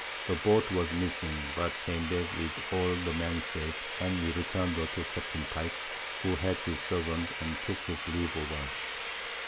The Boat was missing, but came back with all the Men safe, and we return'd her to Captain Pike, who had his Servant, and took his Leave of us.